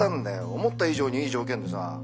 思った以上にいい条件でさ。